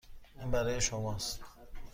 این برای شماست.